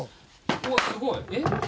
うわっすごい！えっ？